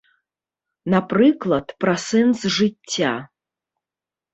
Напрыклад, пра сэнс жыцця.